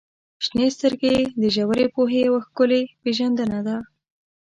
• شنې سترګې د ژورې پوهې یوه ښکلې پیژندنه ده.